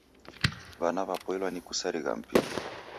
W'ana w'apoilwa ni kusarigha mpira.